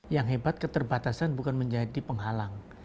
yang hebat keterbatasan bukan menjadi penghalang